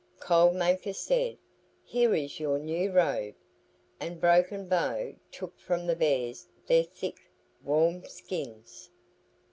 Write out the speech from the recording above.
Cold Maker said, "Here is your new robe," and Broken Bow took from the bears their thick, warm skins.